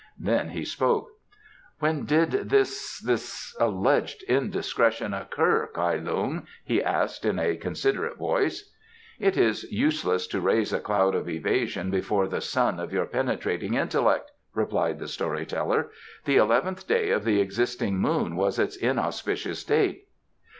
Then he spoke. "When did this this alleged indiscretion occur, Kai Lung?" he asked in a considerate voice. "It is useless to raise a cloud of evasion before the sun of your penetrating intellect," replied the story teller. "The eleventh day of the existing moon was its inauspicious date."